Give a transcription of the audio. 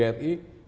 bni bni bni